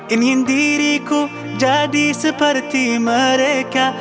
ingin diriku jadi seperti mereka